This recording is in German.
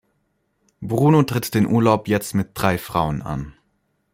Bruno tritt den Urlaub jetzt mit drei Frauen an.